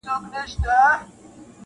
ګوندي خدای مو سي پر مېنه مهربانه-